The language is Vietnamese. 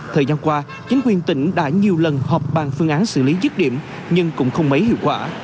thời gian qua chính quyền tỉnh đã nhiều lần họp bàn phương án xử lý dứt điểm nhưng cũng không mấy hiệu quả